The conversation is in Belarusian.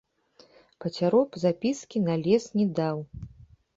Пацяроб запіскі на лес не даў.